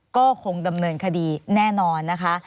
ก็คงดำเนินคดีแน่นอนนะคะ